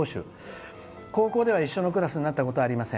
「高校では一緒のクラスになったことがありません。